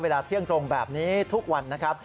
เที่ยงตรงแบบนี้ทุกวันนะครับ